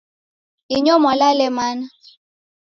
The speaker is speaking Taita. Inyo mwalale mana?